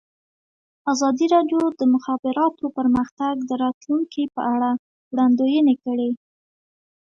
ازادي راډیو د د مخابراتو پرمختګ د راتلونکې په اړه وړاندوینې کړې.